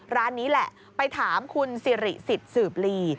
ร้านนี้แหละไปถามคุณสิริสิทธิ์สืบลี